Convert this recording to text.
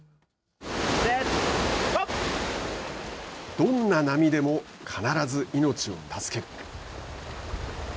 どんな波でも必ず命を助ける。